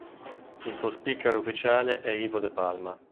Il suo speaker ufficiale è Ivo De Palma.